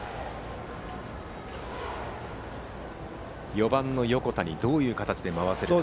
４番の横田にどういう形で回せるか。